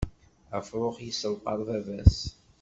Afrux yisselqaḍ baba-s.